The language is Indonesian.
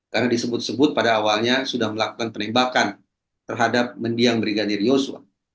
karena disebut sebut pada awalnya sudah melakukan penembakan terhadap mendiang brigadir joshua